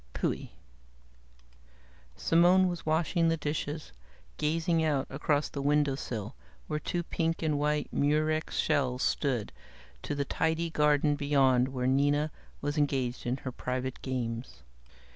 Phui!" Simone was washing the dishes, gazing out across the windowsill where two pink and white Murex shells stood, to the tidy garden beyond where Nina was engaged in her private games.